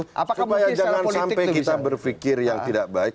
supaya jangan sampai kita berpikir yang tidak baik